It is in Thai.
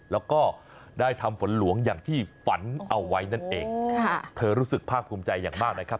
แล้วก็ได้ทำฝนหลวงอย่างที่ฝันเอาไว้นั่นเองค่ะเธอรู้สึกภาคภูมิใจอย่างมากนะครับ